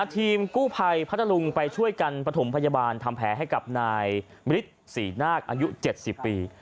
ทีมกู้ภัยพัทธลุงไปช่วยกันประถมพยาบาลทำแผลให้กับนายมฤทธิ์ศรีนาคอายุ๗๐ปี